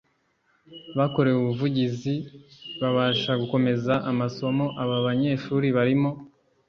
bakorewe ubuvugizi babasha gukomeza amasomo Aba banyeshuri barimo